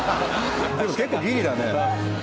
でも結構ギリだね。